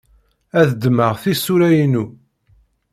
Ad ddmeɣ tisura-inu.